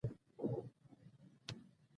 منظور پښتین د خیبرپښتونخوا پوليسو ته سپارل شوی دی